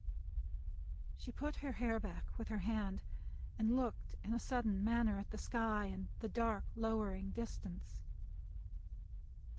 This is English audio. She put her hair back with her hand, and looked in a sudden manner at the sky, and the dark lowering distance.